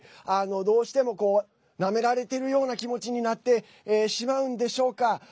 どうしてもなめられているような気持ちになってしまうんでしょうか。